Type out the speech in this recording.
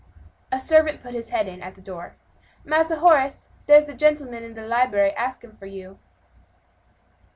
A servant put his head in at the door. "Massa Horace, dere's a gen'leman in de library axin for to see you."